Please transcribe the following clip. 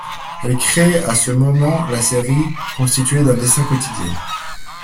Elle crée à ce moment la série ' constituée d'un dessin quotidien.